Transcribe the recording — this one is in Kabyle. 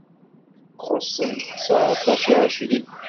Xuṣṣen ttseɛṭac i ɛecrin.